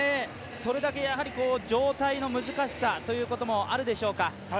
それだけ、状態の難しさということもあるでしょうか。